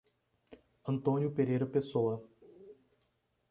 Antônio Pereira Pessoa